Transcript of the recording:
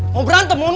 mau berantem sama gue